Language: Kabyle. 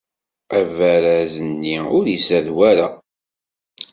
Abaraz-nni ur izad wara.